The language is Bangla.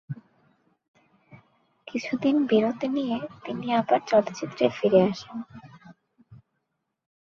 কিছুদিন বিরতি নিয়ে তিনি আবার চলচ্চিত্রে ফিরে আসেন।